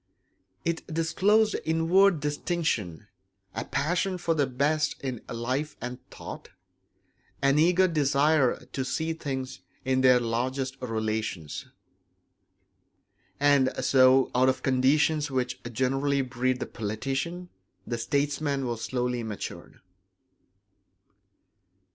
It disclosed inward distinction; a passion for the best in life and thought; an eager desire to see things in their largest relations. And so out of conditions which generally breed the politician the statesman was slowly matured.